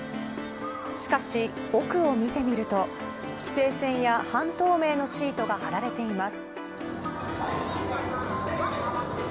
しかし、奥を見てみると規制線や半透明のシートが張られています。